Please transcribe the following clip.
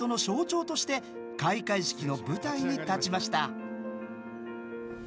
象徴として開会式の舞台に立ちました。